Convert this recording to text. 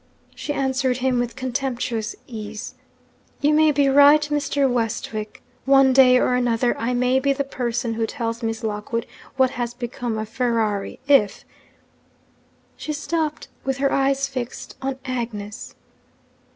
She answered him with contemptuous ease. 'You may be right, Mr. Westwick. One day or another, I may be the person who tells Miss Lockwood what has become of Ferrari, if ' She stopped; with her eyes fixed on Agnes.